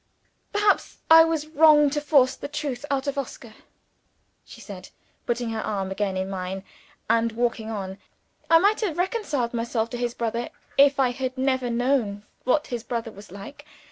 "Perhaps I was wrong to force the truth out of Oscar?" she said, putting her arm again in mine, and walking on. "I might have reconciled myself to his brother, if I had never known what his brother was like.